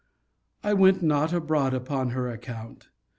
I went not abroad upon her account.